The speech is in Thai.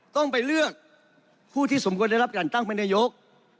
ต้องไปเลือกผู้ที่สมควรได้รับการตั้งเป็นนายก